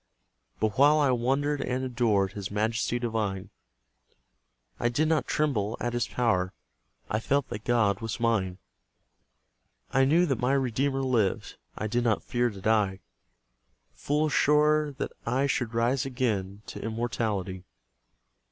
But while I wondered and adored His Majesty divine, I did not tremble at His power: I felt that God was mine; I knew that my Redeemer lived; I did not fear to die; Full sure that I should rise again To immortality.